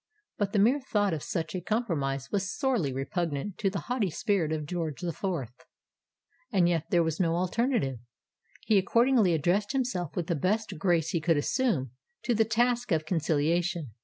But the mere thought of such a compromise was sorely repugnant to the haughty spirit of George the Fourth: and yet there was no alternative! He accordingly addressed himself with the best grace he could assume, to the task of conciliation.